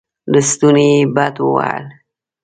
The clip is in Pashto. لستوڼې يې بډ ووهل.